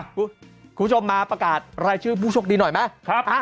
คุณผู้ชมมาประกาศรายชื่อผู้โชคดีหน่อยไหม